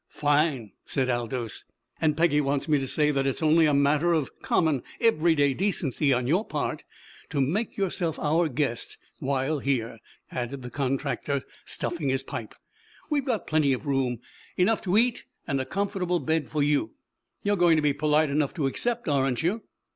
"Fine!" said Aldous. "And Peggy wants me to say that it's a matter of only common, every day decency on your part to make yourself our guest while here," added the contractor, stuffing his pipe. "We've got plenty of room, enough to eat, and a comfortable bed for you. You're going to be polite enough to accept, aren't you?"